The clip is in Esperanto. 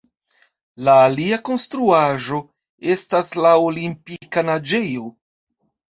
La alia konstruaĵo estas la Olimpika naĝejo.